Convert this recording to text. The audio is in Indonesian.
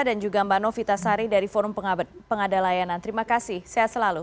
dan juga mbak novi tasari dari forum pengada layanan terima kasih sehat selalu